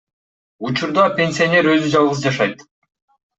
Учурда пенсионер өзү жалгыз жашайт.